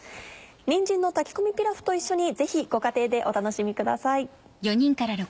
「にんじんの炊き込みピラフ」と一緒にぜひご家庭でお楽しみください。